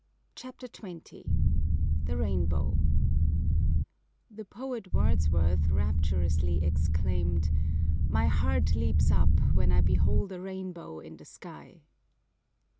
CHAPTER XX THE RAINBOW The poet Wordsworth rapturously exclaimed "My heart leaps up when I behold A rainbow in the sky."